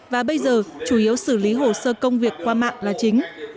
và bây giờ chủ yếu xử lý hồ sơ công việc qua mạng là chính